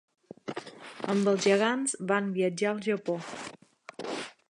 Amb els gegants, van viatjar al Japó.